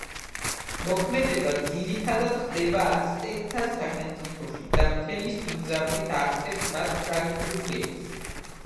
მოქმედება ძირითადად ხდება აცტეკთა სახელმწიფოში და მთელი სიმძაფრით აღწერს მათ ტრაგიკულ ბედს.